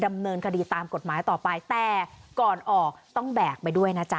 ดำเนินคดีตามกฎหมายต่อไปแต่ก่อนออกต้องแบกไปด้วยนะจ๊